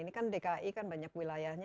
ini kan dki kan banyak wilayahnya